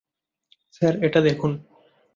Sir, এটা দেখুন।